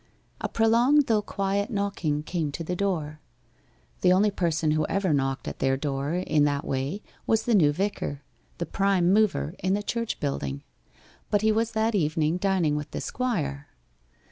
A prolonged though quiet knocking came to the door. The only person who ever knocked at their door in that way was the new vicar, the prime mover in the church building. But he was that evening dining with the Squire.